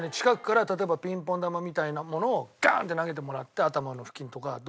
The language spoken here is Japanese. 近くから例えばピンポン球みたいなものをガンッ！って投げてもらって頭の付近とか。